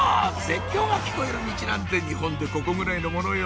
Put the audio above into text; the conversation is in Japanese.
絶叫が聞こえるミチなんて日本でここぐらいのものよ